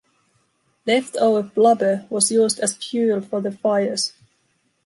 Leftover blubber was used as fuel for the fires.